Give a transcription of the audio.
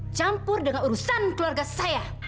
campur dengan urusan keluarga saya